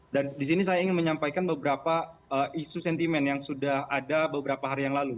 dan di sini saya ingin menyampaikan beberapa isu sentimen yang sudah ada beberapa hari yang lalu